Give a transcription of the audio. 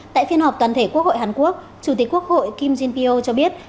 tại phiên họp toàn thể quốc hội hàn quốc chủ tịch quốc hội kim jin pio cho biết